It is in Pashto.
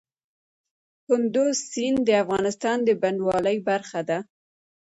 کندز سیند د افغانستان د بڼوالۍ برخه ده.